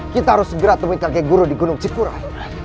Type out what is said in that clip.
kita harus segera tumit kakek guru di gunung cipuran